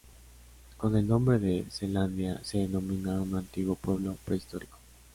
Con el nombre de Zelandia se denomina a un antiguo pueblo prehistórico.